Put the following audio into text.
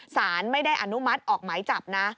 สารไม่ได้อนุมัติออกหมายจับนะ